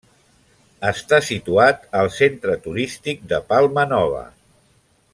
Està situat al centre turístic de Palmanova.